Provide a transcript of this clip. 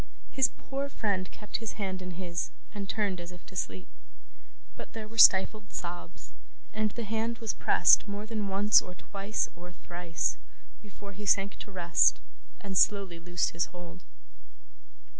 His poor friend kept his hand in his, and turned as if to sleep. But there were stifled sobs; and the hand was pressed more than once, or twice, or thrice, before he sank to rest, and slowly loosed his hold.